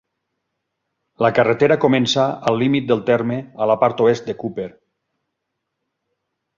La carretera comença al límit del terme a la part oest de Cooper.